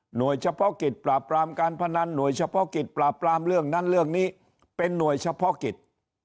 โดยเฉพาะกิจปราบปรามการพนันหน่วยเฉพาะกิจปราบปรามเรื่องนั้นเรื่องนี้เป็นหน่วยเฉพาะกิจ